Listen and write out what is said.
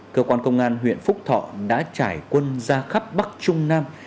cơ quan công an huyện phúc thọ đã trải quân ra khắp bắc trung nam